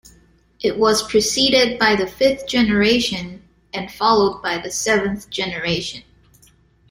It was preceded by the Fifth Generation, and followed by the Seventh Generation.